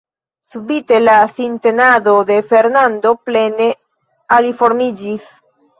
Subite la sintenado de Fernando plene aliformiĝis.